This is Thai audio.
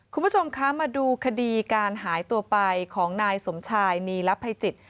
คุณผู้ชมคะมาดูคดีการหายตัวไปของนายสมชายนีรับภัยจิต